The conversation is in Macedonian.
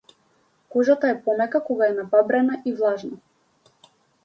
Кожата е помека кога е набабрена и влажна.